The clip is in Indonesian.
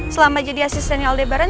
selama jadi asistennya aldebaran